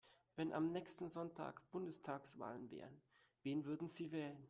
Wenn am nächsten Sonntag Bundestagswahl wäre, wen würden Sie wählen?